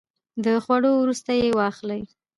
د خوړو وروسته یی واخلئ